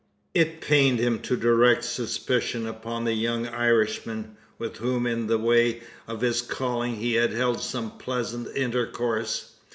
It pained him to direct suspicion upon the young Irishman, with whom in the way of his calling he had held some pleasant intercourse.